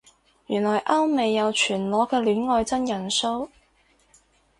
原來歐美有全裸嘅戀愛真人騷